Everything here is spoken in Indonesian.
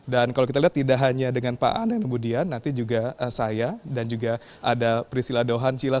dan kalau kita lihat tidak hanya dengan pak ayan dan budian nanti juga saya dan juga ada priscilla dohan cilla